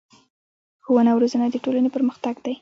ښوونه او روزنه د ټولنې پرمختګ دی.